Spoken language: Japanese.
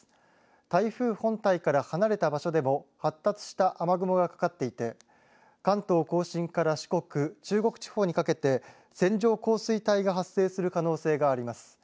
台風本体から離れた場所でも発達した雨雲がかかっていて関東甲信から四国・中国地方にかけて線状降水帯が発生する可能性があります。